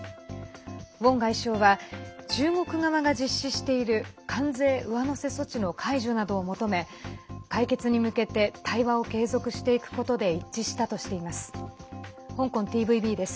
ウォン外相は中国側が実施している関税上乗せ措置の解除などを求め解決に向けて対話を継続していくことで一致したとしています。